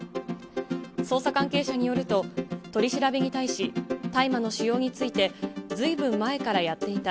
捜査関係者によると、取り調べに対し、大麻の使用について、ずいぶん前からやっていた。